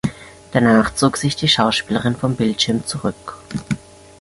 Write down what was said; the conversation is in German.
Danach zog sich die Schauspielerin vom Bildschirm zurück.